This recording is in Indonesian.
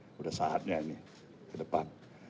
sudah saatnya ini ke depan